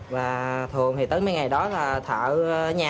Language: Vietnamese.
và thường thì tới mấy ngày đó là thợ nhà